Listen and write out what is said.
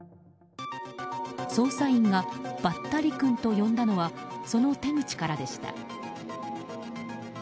捜査員がばったりくんと呼んだのはその手口からでした。